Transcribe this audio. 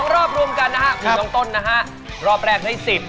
รอบรวมกันนะฮะคุณน้องต้นนะฮะรอบแรกได้๑๐